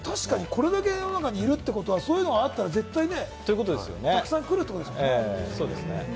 これだけ世の中にいるというのはそういうのがあったら絶対にね、たくさん来るということですからね。